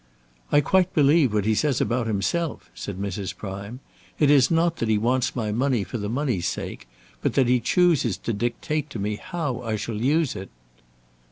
"I quite believe what he says about himself," said Mrs. Prime. "It is not that he wants my money for the money's sake, but that he chooses to dictate to me how I shall use it."